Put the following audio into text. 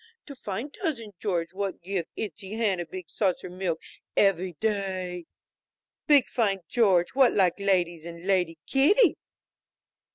To fine Tousin Georgie what give ittsie Hanna big saucer milk evvy day? Big fine George what like ladies and lady kitties!"